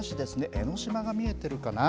江の島が見えているかな。